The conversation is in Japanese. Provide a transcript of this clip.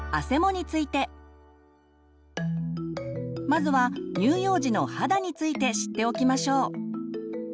まずは乳幼児の肌について知っておきましょう。